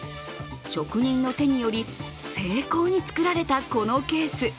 職人の手により精巧に作られたこのケース。